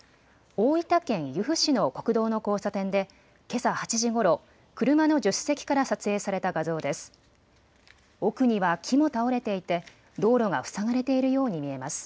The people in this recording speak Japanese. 大分県由布市の国道の交差点でけさ８時ごろ、車の助手席から撮影された画像です。